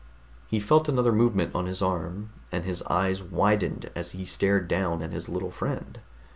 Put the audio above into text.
He felt another movement on his arm, and his eyes widened as he stared down at his little friend.